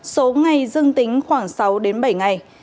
số ngày dương tính khoảng sáu bảy ngày